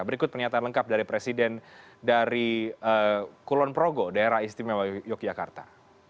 berikut pernyataan lengkap dari presiden dari kulon progo daerah istimewa yogyakarta